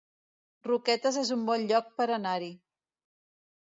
Roquetes es un bon lloc per anar-hi